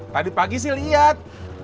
tadi pagi sih liat